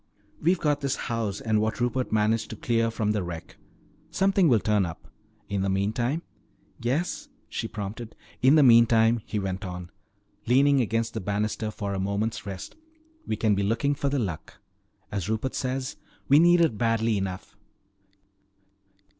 We've got this house and what Rupert managed to clear from the wreck. Something will turn up. In the meantime " "Yes?" she prompted. "In the meantime," he went on, leaning against the banister for a moment's rest, "we can be looking for the Luck. As Rupert says, we need it badly enough.